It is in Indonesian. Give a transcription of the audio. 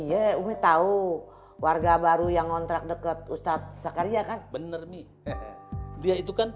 ye umi tahu warga baru yang ngontrak dekat ustadz sakaria kan bener nih dia itu kan